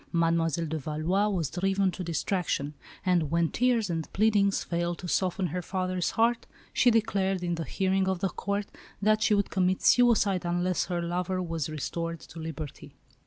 Mademoiselle de Valois was driven to distraction; and when tears and pleadings failed to soften her father's heart, she declared in the hearing of the Court that she would commit suicide unless her lover was restored to liberty.